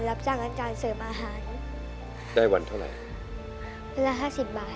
รายการต่อไปนี้เป็นรายการทั่วไปสามารถรับชมได้ทุกวัย